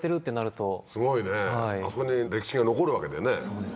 すごいねあそこに歴史が残るわけだよね。